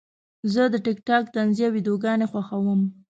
زه د ټک ټاک طنزي ویډیوګانې خوښوم.